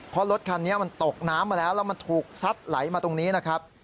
เพราะรถคันนี้มันตกน้ำมาแล้วแล้วมันถูกซัดไหลมาตรงนี้นะครับ